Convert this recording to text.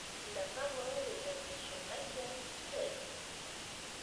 La parole est à Monsieur Matthias Fekl.